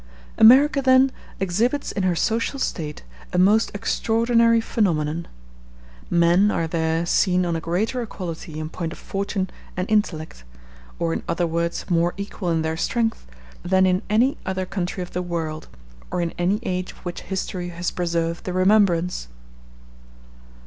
America, then, exhibits in her social state a most extraordinary phenomenon. Men are there seen on a greater equality in point of fortune and intellect, or, in other words, more equal in their strength, than in any other country of the world, or in any age of which history has preserved the remembrance.